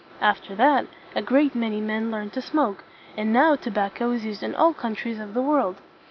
After that a great many men learned to smoke. And now tobacco is used in all countries of the world.